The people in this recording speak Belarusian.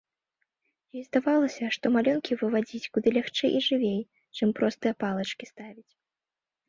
Ёй здавалася, што малюнкі вывадзіць куды лягчэй і жывей, чым простыя палачкі ставіць.